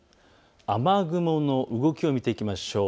雨雲の動きを見ていきましょう。